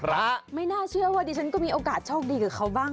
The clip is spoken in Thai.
ไม่น่าเชื่อว่าดิฉันก็มีโอกาสโชคดีกับเขาบ้าง